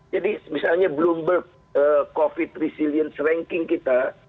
jadi misalnya bloomberg covid resilience ranking kita